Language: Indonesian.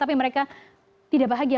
tapi mereka tidak bahagia